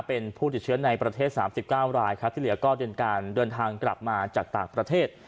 เป็นผู้ติดเชื้อในประเทศสามสิบเก้ารายค่ะที่เหลือก็เรียนการเดินทางกลับมาจากต่างประเทศ